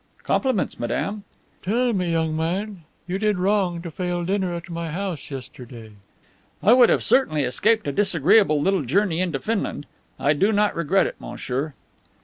"Compliments, madame." "Tell me, young man, you did wrong to fail for dinner at my house yesterday." "I would have certainly escaped a disagreeable little journey into Finland. I do not regret it, monsieur."